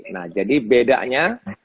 nah jadi bedanya